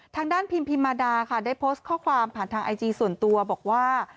ทางด้านพิมพิมมาดาค่ะได้โพสต์ข้อความผ่านทางไอจีส่วนตัวบอกว่า